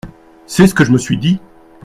C’est ce que je me suis dit !…